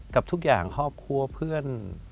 กับทุกอย่างครอบครัวเพื่อน